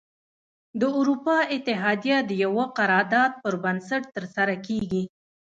د اروپا اتحادیه د یوه قرار داد پر بنسټ تره سره کیږي.